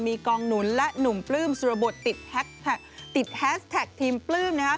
มีกองหนุนและหนุ่มปลื้มสุรบทติดแฮสแท็กทีมปลื้ม